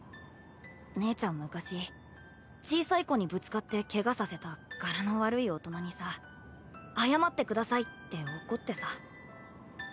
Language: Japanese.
姉ちゃん昔小さい子にぶつかってケガさせた柄の悪い大人にさ「謝ってください」って怒ってさ